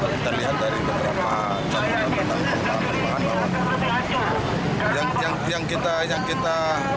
kita lihat dari beberapa catatan tentang kekuatan kekuatan bahan bawah